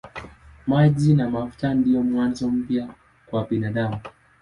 Maji na mafuta ndiyo mwanzo mpya kwa binadamu.